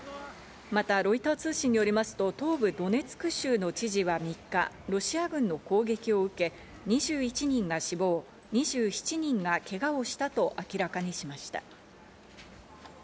また、ロイター通信によりますと、東部ドネツク州の知事は３日、ロシア軍の攻撃を受け、２１人が死亡、２７人がけがをしたと明らかにしました。